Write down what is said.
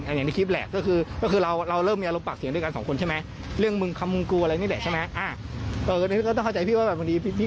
อันนี้คลิปแหละก็คือก็คือเราเราเริ่มมีอารมณ์ปากเสียงด้วยกันสองคนใช่ไหม